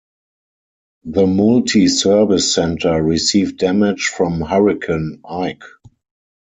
The multi-service center received damage from Hurricane Ike.